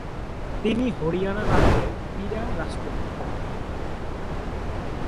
তিনি হরিয়ানা রাজ্যের ক্রীড়া রাষ্ট্রদূত।